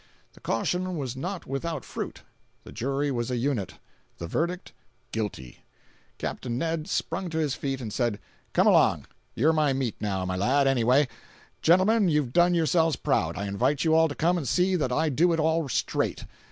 The caution was not without fruit. The jury was a unit—the verdict. "Guilty." Capt. Ned sprung to his feet and said: "Come along—you're my meat now, my lad, anyway. Gentlemen you've done yourselves proud. I invite you all to come and see that I do it all straight.